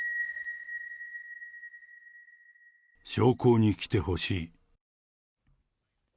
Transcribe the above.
焼香に来てほしい。